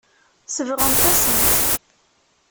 Sebɣent-asen-tt.